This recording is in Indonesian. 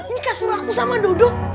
ini kan surahku sama dodo